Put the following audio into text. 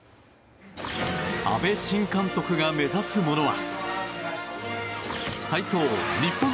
阿部新監督が目指すものは。